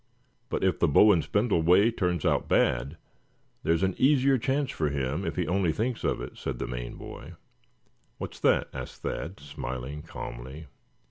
"But if the bow and spindle way turns out bad, there's an easier chance for him, if he only thinks of it," said the Maine boy. "What's that?" asked Thad, smiling calmly.